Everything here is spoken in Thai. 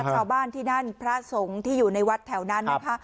ชาวบ้านที่นั่นพระสงฆ์ที่อยู่ในวัดแถวนั้นนะคะ